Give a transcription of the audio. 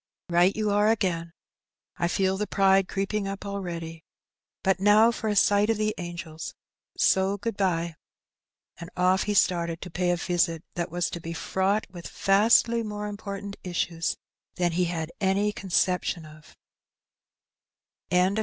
" Right you are again. I feel the pride creeping up already. But now for a sight of the angels, so good bye." And off he started to pay a visit that was to be fraught with vastly more important issues than he had any conception of.